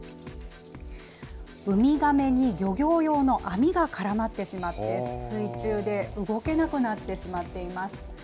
ウミガメに漁業用の網が絡まってしまって、水中で動けなくなってしまっています。